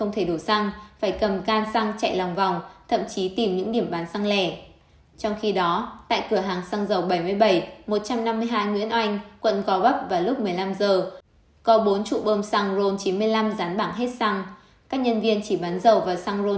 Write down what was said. trong khi đó tại cửa hàng xăng dầu bảy mươi bảy một trăm năm mươi hai nguyễn oanh quận gò vấp vào lúc một mươi năm h có bốn trụ bơm xăng ron chín mươi năm rán bảng hết xăng các nhân viên chỉ bán dầu và xăng ron chín